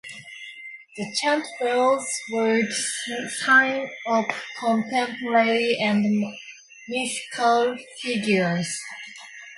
The Chantwells would sing of contemporary and mythical figures.